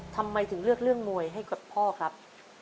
ทำไมถึงเลือกเรื่องมวยให้กับพ่อครับ